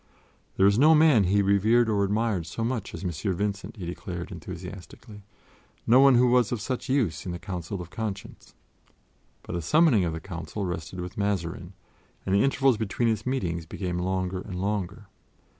There was no man whom he revered or admired so much as M. Vincent, he declared enthusiastically; no one who was of such use in the Council of Conscience. But the summoning of the Council rested with Mazarin, and the intervals between its meetings became longer and longer.